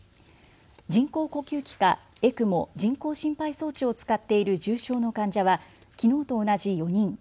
人工呼吸器かＥＣＭＯ・人工心肺装置を使っている重症の患者はきのうと同じ４人。